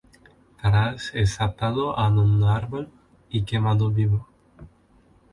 Tarás es atado a un árbol y quemado vivo.